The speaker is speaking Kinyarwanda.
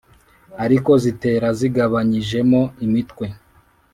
ariko zitera zigabanyijemo imitwe